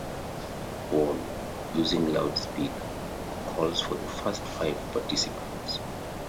Bone, using a loudspeaker, calls for the first five participants.